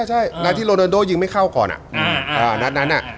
ใช่นัดที่โรนาโดยิงไม่เข้าก่อนนัดนั้น